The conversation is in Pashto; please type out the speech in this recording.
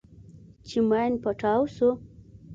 چې ماين پټاو سو.